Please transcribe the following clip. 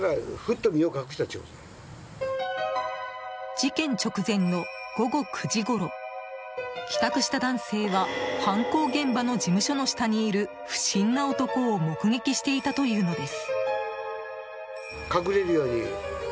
事件直前の午後９時ごろ帰宅した男性は犯行現場の事務所の下にいる不審な男を目撃していたというのです。